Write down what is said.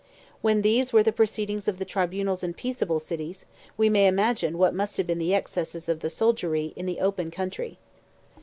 When these were the proceedings of the tribunals in peaceable cities, we may imagine what must have been the excesses of the soldiery in the open county.